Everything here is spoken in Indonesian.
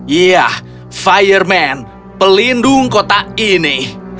iya fireman pelindung kota ini